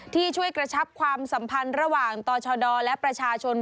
ที่ช่วยกระชับความสัมพันธ์ระหว่างต่อชดและประชาชน